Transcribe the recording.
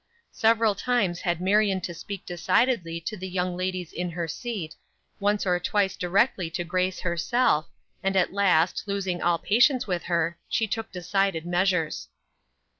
Several times had Marion to speak decidedly to the young ladies in her seat, once or twice directly to Grace herself, and at last, losing all patience with her, she took decided measures.